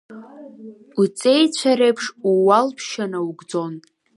Уҵеицәа реиԥш, ууалԥшьа наугӡон.